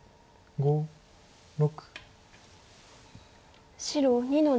５６。